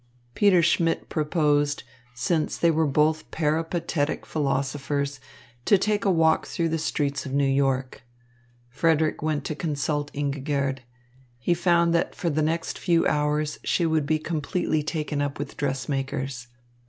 Peter Schmidt proposed, since they were both peripatetic philosophers, to take a walk through the streets of New York. Frederick went to consult Ingigerd. He found that for the next few hours she would be completely taken up with dressmakers.